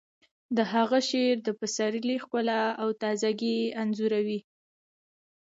د هغه شعر د پسرلي ښکلا او تازه ګي انځوروي